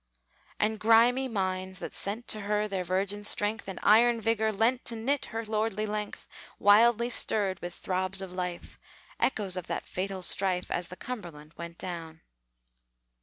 And grimy mines that sent To her their virgin strength, And iron vigor lent To knit her lordly length, Wildly stirred with throbs of life, Echoes of that fatal strife, As the Cumberland went down.